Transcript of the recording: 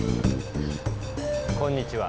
こんにちは。